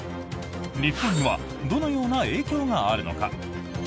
日本にはどのような影響があるのか？